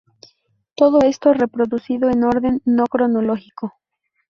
Todo esto reproducido en orden no cronológico.